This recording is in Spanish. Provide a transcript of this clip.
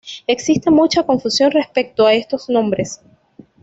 Existe mucha confusión respecto a estos nombres.